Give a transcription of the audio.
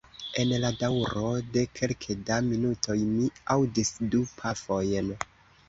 En la daŭro de kelke da minutoj mi aŭdis du pafojn.